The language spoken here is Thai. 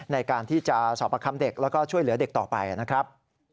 ในการที่จะสอบประคำเด็กแล้วก็ช่วยเหลือเด็กต่อไปนะครับ